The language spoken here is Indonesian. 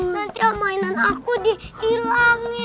nanti mainan aku dihilangin